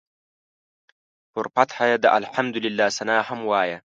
پر فتحه یې د الحمدلله ثناء هم وایه.